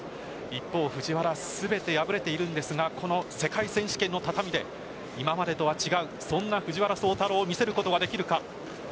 一方、藤原全て敗れているんですがこの世界選手権の畳で今までとは違うそんな藤原崇太郎を見せることができるか。